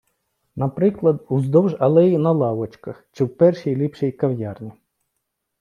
Наприклад, уздовж алеї на лавочках чи в першій - ліпшій кав’ярні.